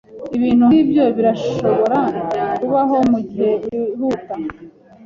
Ibintu nkibyo birashobora kubaho mugihe wihuta.